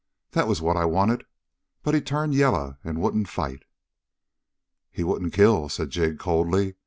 That was what I wanted. But he turned yaller and wouldn't fight." "He wouldn't kill," said Jig coldly.